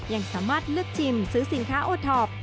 ยังสามารถเลือกชิมซื้อสินค้าโอท็อป